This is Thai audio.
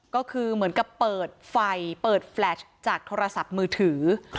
ก็คือเหมือนกับเปิดไฟเปิดแฟลชจากโทรศัพท์มือถือ